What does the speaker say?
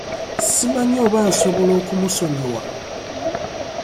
Simanyi oba nsobola okumusonyiwa.